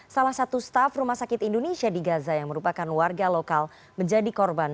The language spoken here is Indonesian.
salah satu staff rumah sakit indonesia di gaza yang merupakan warga lokal menjadi korban